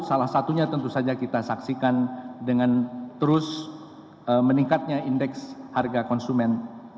salah satunya tentu saja kita saksikan dengan terus meningkatnya indeks harga konsumen